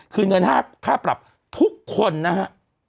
คืนเงินค่าปรับทุกคนนะครับ